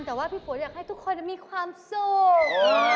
แต่ว่าพี่ฝนอยากให้ทุกคนมีความสุข